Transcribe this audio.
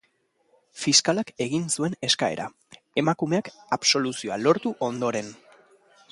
Fiskalak egin zuen eskaera, emakumeak absoluzioa lortu ondoren.